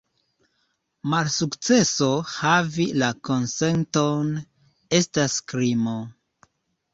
Malsukceso havi la konsenton estas krimo.